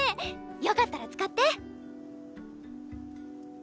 よかったら使って。